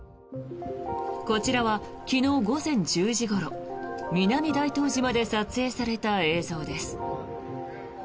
こちらは昨日午前１０時ごろ南大東島で撮影された映像です。